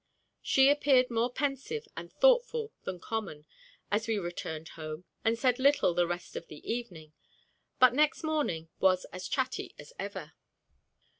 She appeared more pensive and thoughtful than common as we returned home, and said little the rest of the evening, but next morning was as chatty as ever.